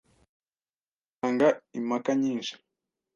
Uzahasanga impaka nyinshi.